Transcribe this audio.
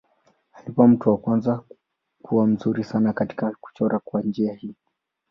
Alikuwa mtu wa kwanza kuwa mzuri sana katika kuchora kwa njia hii.